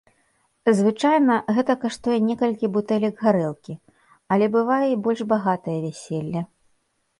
Звычайна, гэта каштуе некалькі бутэлек гарэлкі, але бывае і больш багатае вяселле.